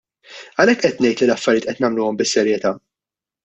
Għalhekk qed ngħid li l-affarijiet qed nagħmluhom bis-serjetà!